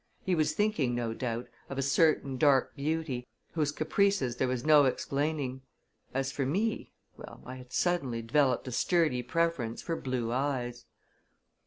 He was thinking, no doubt, of a certain dark beauty, whose caprices there was no explaining. As for me well, I had suddenly developed a sturdy preference for blue eyes.